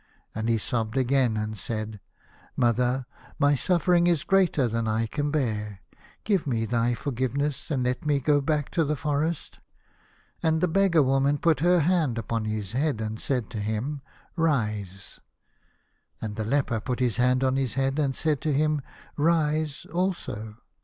And he sobbed again, and said :" Mother, my suffering is greater than I can bear. Give me thy forgiveness, and let me go back to the forest." And the beggar woman put her hand on his head, and said to him, " Rise," and the 1 57 A House of Pomegranates. leper put his hand on his head, and said to him " Rise," also.